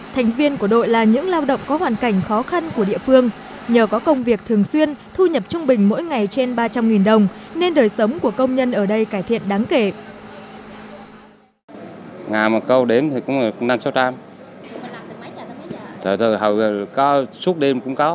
thành viên của đội là những lao động có hoàn cảnh khó khăn của địa phương nhờ có công việc thường xuyên thu nhập trung bình mỗi ngày trên ba trăm linh đồng nên đời sống của công nhân ở đây cải thiện đáng kể